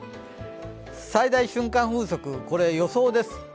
最大瞬間風速、予想です。